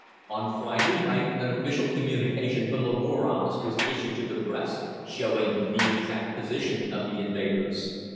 On Friday night an official communication from the War Office was issued to the Press, showing the exact position of the invaders.